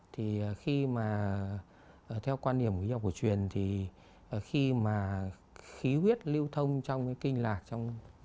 thì khi mà theo quan niệm của ý học của truyền thì khi mà khí huyết lưu thông trong cái kinh lạc